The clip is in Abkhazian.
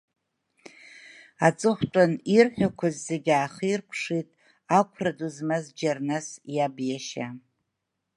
Аҵыхәтәан ирҳәақәаз зегьы аахиркәшеит ақәра ду змаз Џьарнас иаб иашьа.